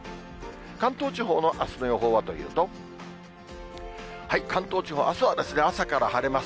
関東地方のあすの予報はというと、関東地方、あすは朝から晴れます。